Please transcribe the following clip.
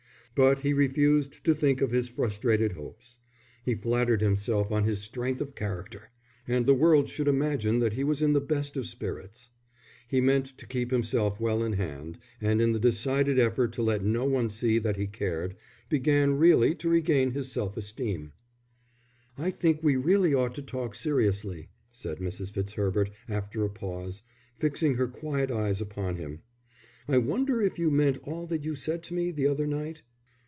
But he refused to think of his frustrated hopes. He flattered himself on his strength of character, and the world should imagine that he was in the best of spirits. He meant to keep himself well in hand, and in the decided effort to let no one see that he cared, began really to regain his self esteem. "I think we really ought to talk seriously," said Mrs. Fitzherbert after a pause, fixing her quiet eyes upon him. "I wonder if you meant all that you said to me the other night?"